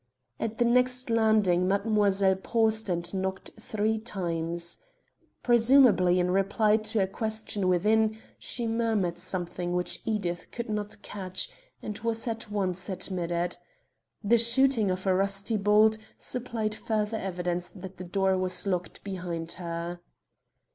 At the next landing mademoiselle paused and knocked three times. Presumably in reply to a question within, she murmured something which Edith could not catch, and was at once admitted. The shooting of a rusty bolt supplied further evidence that the door was locked behind her.